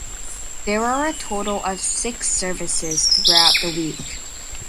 There are a total of six services throughout the week.